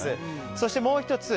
そして、もう１つ。